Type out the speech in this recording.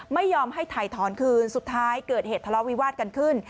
ไม่ยอมให้ถ่ายถอนคืนสุดท้ายเกิดเหตุทะเลาะวิวาสกันขึ้น